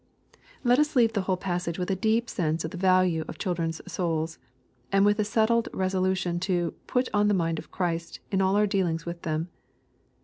Let us leave the whole passage with a deep sense of the value of children's souls, and with a settled resolution to " put on the inind of Christ" in all our dealings with them.